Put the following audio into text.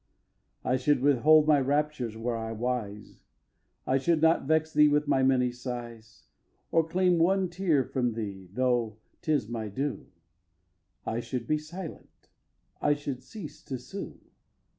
v. I should withhold my raptures were I wise, I should not vex thee with my many sighs, Or claim one tear from thee, though 'tis my due. I should be silent. I should cease to sue!